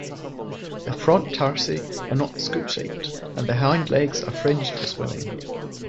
Their front tarsi are not scoop-shaped and their hind legs are fringed for swimming.